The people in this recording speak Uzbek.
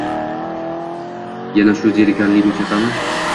Yana shu zerikarli musiqami